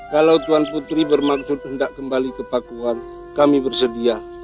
kalau tuan putri bermaksud hendak kembali ke pakuan kami bersedia